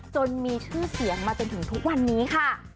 จนมีชื่อเสียงมาจนถึงทุกวันนี้ค่ะ